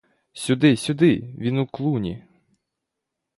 Сюди, сюди, він у клуні!